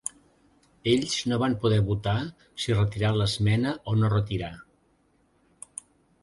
Ells no van poder votar si retirar l’esmena o no retirar.